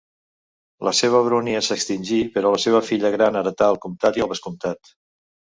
La seva baronia s'extingí, però la seva filla gran heretà el comtat i el vescomtat.